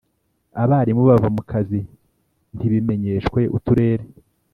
abarimu bava mu kazi ntibimenyeshwe uturere,